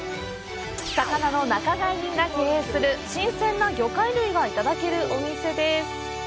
魚の仲買人が経営する新鮮な魚介類がいただけるお店です。